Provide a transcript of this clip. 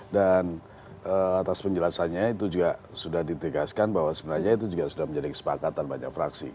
dan atas penjelasannya itu juga sudah ditegaskan bahwa sebenarnya itu juga sudah menjadi kesepakatan banyak fraksi